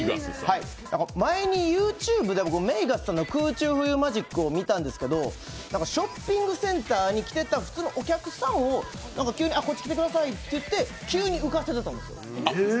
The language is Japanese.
前にＹｏｕＴｕｂｅでＭＡＧＵＳさんの空中浮遊マジックを見たんですけどショッピングセンターに来てた普通のお客さんを急に、こっち来てくださいって言って浮かせてたんですよ。